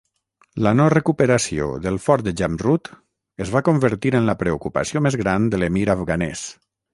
La no recuperació del Fort de Jamrud es va convertir en la preocupació més gran de l'Emir afganès.